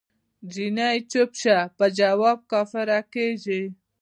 جینی چپ شه په جواب کافره کیږی